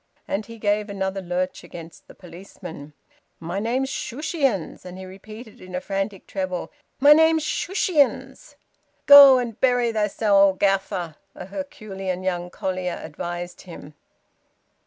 And he gave another lurch against the policeman. "My name's Shushions!" And he repeated in a frantic treble, "My name's Shushions!" "Go and bury thysen, owd gaffer!" a Herculean young collier advised him.